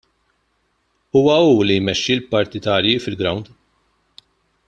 Huwa hu li jmexxi l-partitarji fil-grawnd.